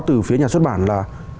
từ phía nhà xuất bản là